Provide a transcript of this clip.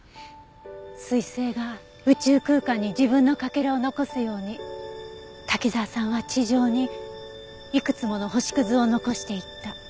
彗星が宇宙空間に自分のかけらを残すように滝沢さんは地上にいくつもの星屑を残していった。